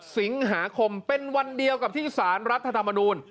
สิงหาคมเป็นวันเดียวกับที่สารรัฐธรรมนูล